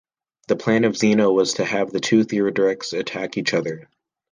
The plan of Zeno was to have the two Theoderics attack each other.